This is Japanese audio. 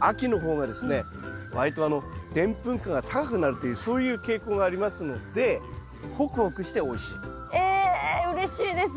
秋の方がですね割とでんぷん価が高くなるというそういう傾向がありますのでホクホクしておいしいと。えうれしいです。